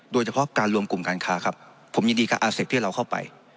โดยเฉพาะการรวมกลุ่มการค้าครับผมยินดีกับอาเซฟที่เราเข้าไป